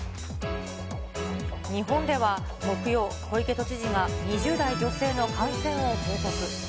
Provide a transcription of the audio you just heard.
日本では木曜、小池都知事が２０代女性の感染を報告。